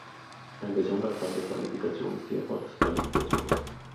Ein besonderer Fall der Qualifikation ist die Erfolgsqualifikation.